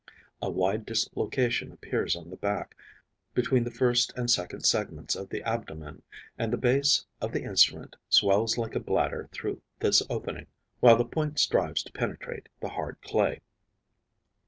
A wide dislocation appears on the back, between the first and second segments of the abdomen; and the base of the instrument swells like a bladder through this opening; while the point strives to penetrate the hard clay.